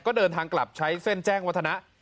ก็เดินทางกลับใช้เส้นแจ้งวัฒนะ